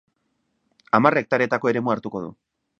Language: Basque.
Hamar hektareako eremua hartuko du.